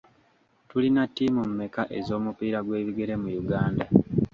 Tulina ttiimu mmeka ez'omupiira gw'ebigere mu Uganda?